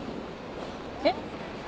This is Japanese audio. えっ？